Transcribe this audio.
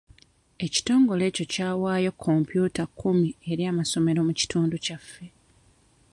Ekitongole ekyo kyawaayo kompyuta kkumi eri amasomero mu kitundu kyaffe.